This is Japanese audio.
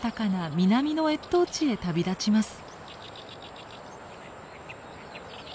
南の越冬地へ旅立ちます。